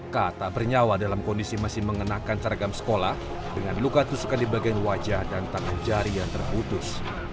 k tak bernyawa dalam kondisi masih mengenakan seragam sekolah dengan luka tusukan di bagian wajah dan tangan jari yang terputus